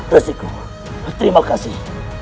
rasikuru terima kasih